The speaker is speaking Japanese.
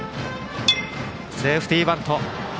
セーフティーバント！